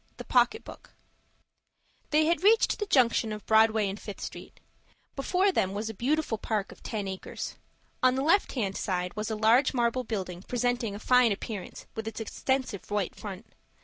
THE POCKET BOOK They had reached the junction of Broadway and of Fifth Avenue. Before them was a beautiful park of ten acres. On the left hand side was a large marble building, presenting a fine appearance with its extensive white front.